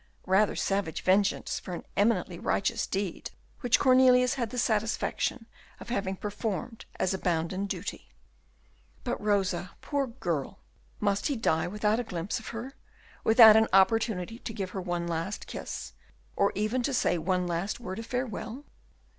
Rather savage vengeance for an eminently righteous deed, which Cornelius had the satisfaction of having performed as a bounden duty. But Rosa, poor girl! must he die without a glimpse of her, without an opportunity to give her one last kiss, or even to say one last word of farewell?